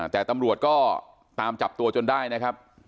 แต่ตำรวจก็ตามจับตัวจนได้นะครับ